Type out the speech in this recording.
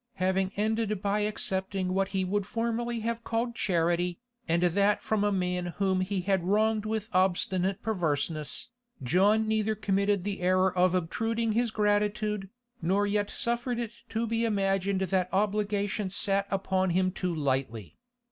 Having ended by accepting what he would formerly have called charity, and that from a man whom he had wronged with obstinate perverseness, John neither committed the error of obtruding his gratitude, nor yet suffered it to be imagined that obligation sat upon him too lightly.